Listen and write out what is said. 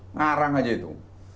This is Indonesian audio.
ngarang aja itu